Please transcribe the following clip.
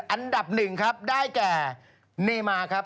อันดับหนึ่งครับได้แก่เนมาครับ